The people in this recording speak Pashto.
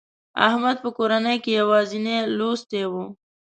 احمد په کورنۍ کې یوازینی لوستي و.